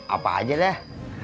apa aja deh